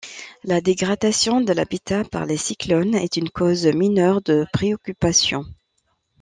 La dégradation de l'habitat par les cyclones est une cause mineure de préoccupation.